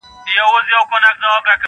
انسان وجدان سره ژوند کوي تل-